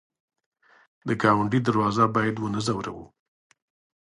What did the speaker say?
د ګاونډي دروازه باید ونه ځوروو